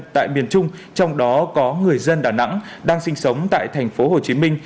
tại miền trung trong đó có người dân đà nẵng đang sinh sống tại tp hcm